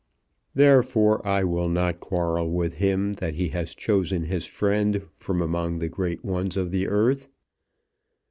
"Therefore I will not quarrel with him that he has chosen his friend from among the great ones of the earth.